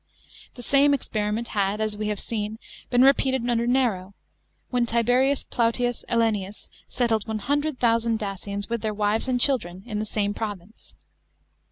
The same experiment had, as we have seen, been repeated under Nero, when Tiberius Plautius ^lianus settled 100,000 Dacians with their wives and children in the same province.